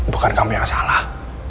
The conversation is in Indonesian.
bukan kamu yang salah